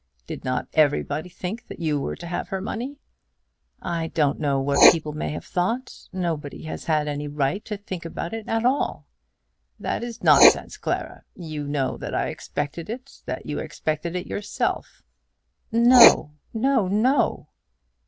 Did not everybody think that you were to have her money?" "I don't know what people may have thought. Nobody has had any right to think about it at all." "That is nonsense, Clara. You know that I expected it; that you expected it yourself." "No; no, no!"